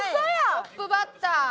トップバッター。